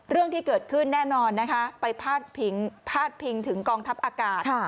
เรื่องที่เกิดขึ้นแน่นอนนะคะไปพาดพิงถึงกองทัพอากาศ